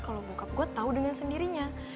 kalau bokap gue tau dengan sendirinya